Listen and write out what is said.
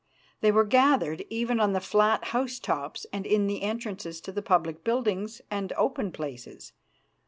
They were gathered even on the flat house tops and in the entrances to the public buildings and open places.